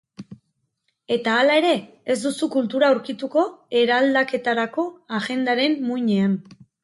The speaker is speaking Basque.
Eta hala ere, ez duzu kultura aurkituko eraldaketarako agendaren muinean.